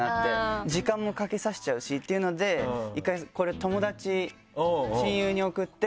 時間もかけさせちゃうしっていうので１回友達親友に送って。